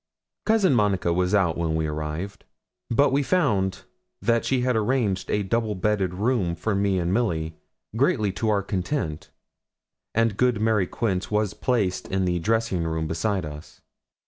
Cousin Monica was out when we arrived; but we found that she had arranged a double bedded room for me and Milly, greatly to our content; and good Mary Quince was placed in the dressing room beside us.